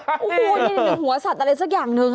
โอ้ยยันต์อยู่เป็นหัวสัตว์อะไรสักอย่างหนึ่งอ่ะ